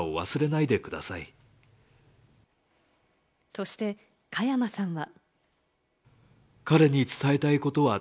そして加山さんは。